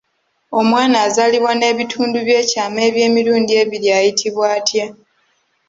Omwana azaalibwa n'ebitundu by'ekyama eby'emirundi ebiri ayitibwa atya?